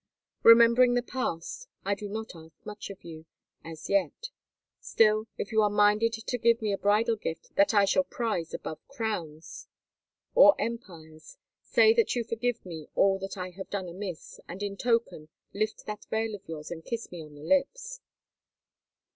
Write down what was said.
Remembering the past, I do not ask much of you—as yet; still, if you are minded to give me a bridal gift that I shall prize above crowns or empires, say that you forgive me all that I have done amiss, and in token, lift that veil of yours and kiss me on the lips."